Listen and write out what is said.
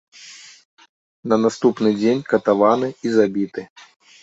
На наступны дзень катаваны і забіты.